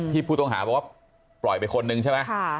ผู้ต้องหาบอกว่าปล่อยไปคนนึงใช่ไหม